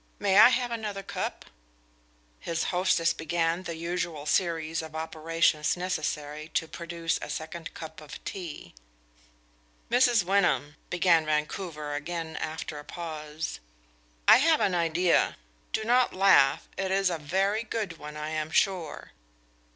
"May I have another cup?" His hostess began the usual series of operations necessary to produce a second cup of tea. "Mrs. Wyndham," began Vancouver again after a pause, "I have an idea do not laugh, it is a very good one, I am sure."